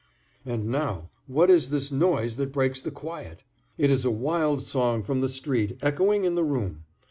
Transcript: And now, what is this noise that breaks the quiet? It is a wild song from the street, echoing in the room.